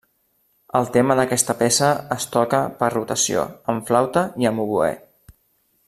El tema d'aquesta peça es toca per rotació, amb flauta i amb oboè.